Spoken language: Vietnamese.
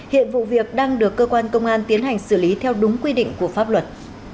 hiện vụ việc đang được cơ quan công an tiến hành xử lý theo đúng quy định của pháp luật